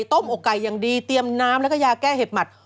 อกไก่อย่างดีเตรียมน้ำแล้วก็ยาแก้เห็บหมัด